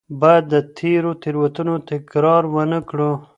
باید د تېرو تېروتنو تکرار ونه کړو.